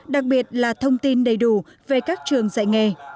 đặc biệt là thông tin đầy đủ về các trường dạy nghề